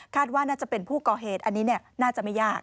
ว่าน่าจะเป็นผู้ก่อเหตุอันนี้น่าจะไม่ยาก